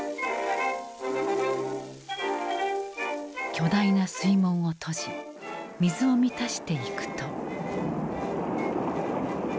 巨大な水門を閉じ水を満たしていくと。